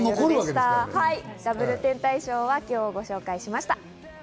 ダブル天体ショーをご紹介しました。